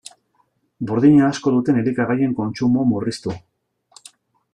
Burdina asko duten elikagaien kontsumoa murriztu.